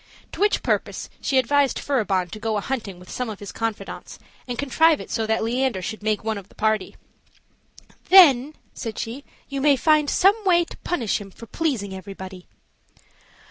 To which purpose she advised Furibon to go a hunting with some of his confidants, and contrive it so that Leander should make one of the party. "Then," said she, "you may find some way to punish him for pleasing everybody."